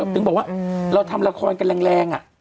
ถึงบอกว่าเราทำละครกันแรง